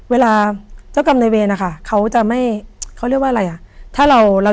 เวลาเจ้ากรรมนายเวรอ่ะค่ะเขาจะไม่เขาเรียกว่าอะไรอ่ะ